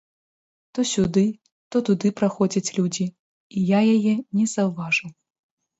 То сюды, то туды праходзяць людзі, і яе не заўважыў.